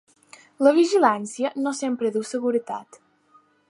La vigilància no sempre du seguretat.